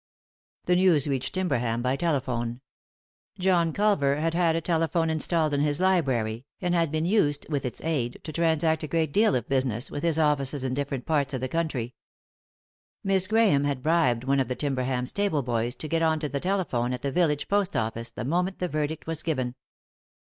The news reached Timberham by telephone. John Culver had had a telephone installed in his library, and had been used, with its aid, to transact a great deal of business with his offices in different parts ot the country. Miss Grahame had bribed one of the Timberham stable boys to get on to the telephone at the village post office the moment the verdict was given.